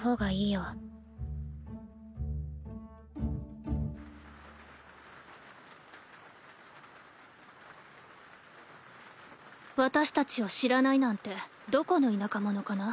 ・ザァーー「わたしたちを知らないなんてどこの田舎者かな？」。